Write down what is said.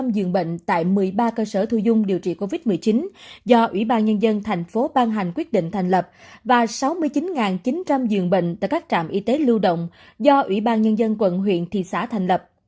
một mươi giường bệnh tại một mươi ba cơ sở thu dung điều trị covid một mươi chín do ủy ban nhân dân thành phố ban hành quyết định thành lập và sáu mươi chín chín trăm linh giường bệnh tại các trạm y tế lưu động do ủy ban nhân dân quận huyện thị xã thành lập